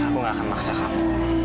aku gak akan maksa kamu